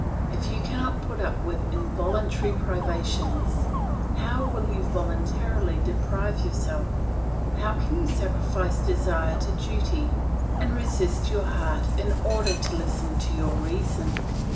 If you cannot put up with involuntary privations how will you voluntarily deprive yourself? How can you sacrifice desire to duty, and resist your heart in order to listen to your reason?